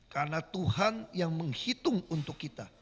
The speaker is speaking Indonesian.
karena tuhan yang menghitung untuk kita